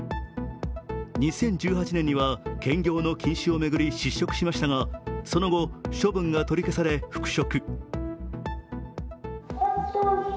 ２０１８年には兼業の禁止を巡り失職しましたがその後、処分が取り消され復職。